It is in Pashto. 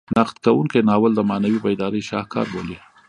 نقد کوونکي ناول د معنوي بیدارۍ شاهکار بولي.